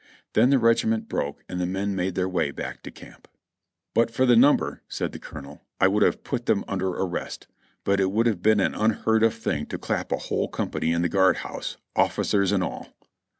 Then the regiment broke and the men made their way back to camp. "But for the number," said the colonel, "I would have put them under arrest; but it would have been an unheard of thing to clap a whole company in the guard house, officers anl all."